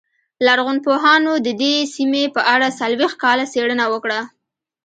لرغونپوهانو د دې سیمې په اړه څلوېښت کاله څېړنه وکړه